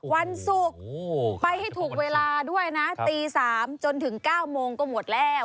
วันศุกร์ไปให้ถูกเวลาด้วยนะตี๓จนถึง๙โมงก็หมดแล้ว